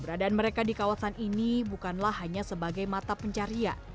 keberadaan mereka di kawasan ini bukanlah hanya sebagai mata pencarian